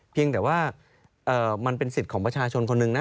เพียงแต่ว่ามันเป็นสิทธิ์ของประชาชนคนหนึ่งนะ